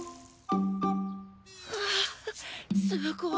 はあすごい。